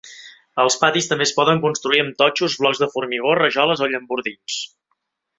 Els patis també es poden construir amb totxos, blocs de formigó, rajoles o llambordins.